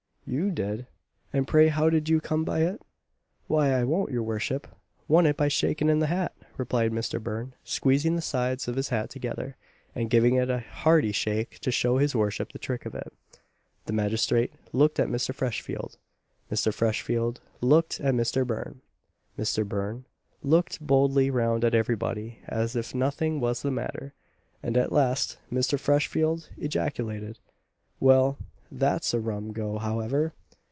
"You did! and pray how did you come by it?" "Why, I won it, your worship won it by shaking in the hat;" replied Mister Burn, squeezing the sides of his hat together, and giving it a hearty shake to show his worship the trick of it. The magistrate looked at Mr. Freshfield; Mr. Freshfield looked at Mister Burn; Mister Burn looked boldly round at everybody as if nothing was the matter, and at last, Mr. Freshfield ejaculated "Well, that's a rum go, however!